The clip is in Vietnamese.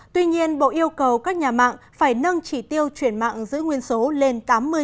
tuy nhiên bộ yêu cầu các nhà mạng phải nâng chỉ tiêu chuyển mạng giữ nguyên số lên tám mươi